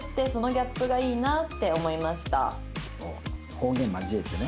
方言交えてね。